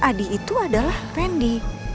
adi itu adalah rendy